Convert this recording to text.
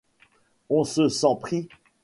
On se sent pris.